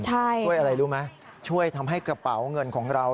ช่วยอะไรรู้ไหมช่วยทำให้กระเป๋าเงินของเรา